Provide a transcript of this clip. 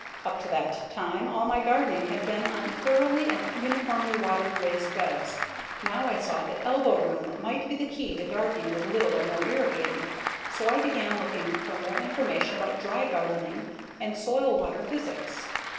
Up to that time, all my gardening had been on thoroughly and uniformly watered raised beds. Now I saw that elbow room might be the key to gardening with little or no irrigating, so I began looking for more information about dry gardening and soil/water physics.